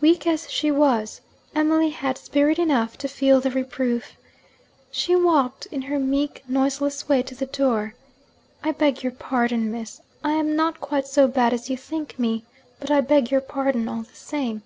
Weak as she was, Emily had spirit enough to feel the reproof. She walked in her meek noiseless way to the door. 'I beg your pardon, Miss. I am not quite so bad as you think me. But I beg your pardon, all the same.'